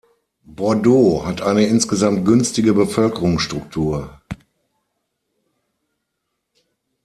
Bordeaux hat eine insgesamt günstige Bevölkerungsstruktur.